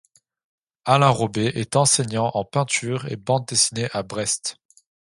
Alain Robet est enseignant en peinture et bande dessinée à Brest.